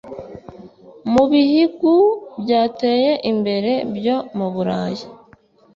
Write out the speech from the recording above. Mu bihigu byateye imbere byo mu Burayi